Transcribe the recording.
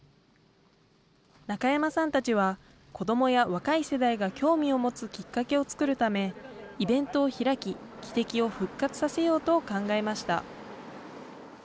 中山さんたちは、子どもや若い世代が興味を持つきっかけを作るため、イベントを開き、汽笛を復活させようと考えました。